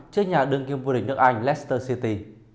trước nhà đương kiếm vua đỉnh nước anh leicester city